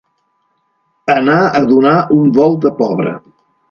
Anar a donar un volt de pobre.